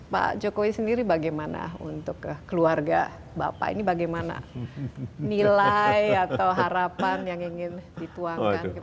pak jokowi sendiri bagaimana untuk keluarga bapak ini bagaimana nilai atau harapan yang ingin dituangkan